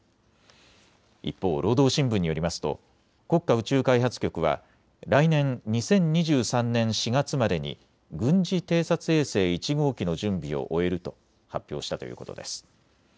一方、労働新聞によりますと国家宇宙開発局は来年、２０２３年４月までに軍事偵察衛星１号機の準備を終えると発表したということです。